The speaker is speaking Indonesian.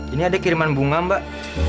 ini ada kiriman bunga mbak